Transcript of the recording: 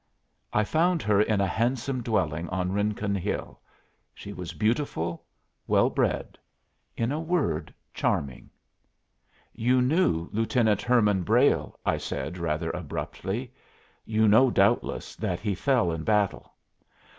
I found her in a handsome dwelling on Rincon Hill. She was beautiful, well bred in a word, charming. "You knew Lieutenant Herman Brayle," I said, rather abruptly. "You know, doubtless, that he fell in battle.